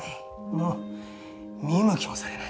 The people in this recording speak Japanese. もう見向きもされない。